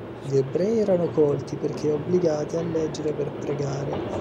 Gli ebrei erano colti, perché obbligati a leggere per pregare.